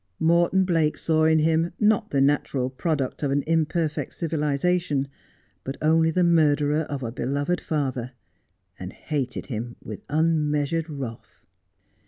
Morton Blake saw in him not the natural product of an imperfect civiliza tion, but only the murderer of a beloved father, and hated him with unmeasured wrath.